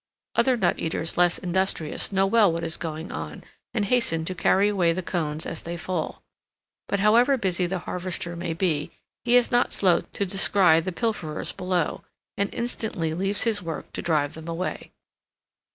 Other nut eaters less industrious know well what is going on, and hasten to carry away the cones as they fall. But however busy the harvester may be, he is not slow to descry the pilferers below, and instantly leaves his work to drive them away.